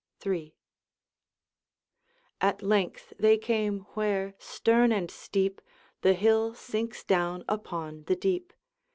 III. At length they came where, stern and steep, The hill sinks down upon the deep.